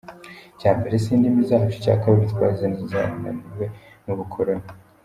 Icya mbere si indimi zacu, icyakabiri twazizaniwe n'ubukoloni.